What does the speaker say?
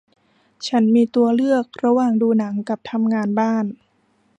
ฉันมีตัวเลือกระหว่างดูหนังกับทำงานบ้าน